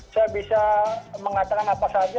saya bisa mengatakan apa saja